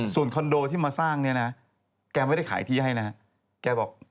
ส่วนคอนโดที่มาสร้างแกไม่ได้ขายที่ให้นะ